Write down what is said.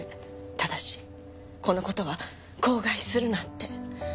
ただしこの事は口外するなって。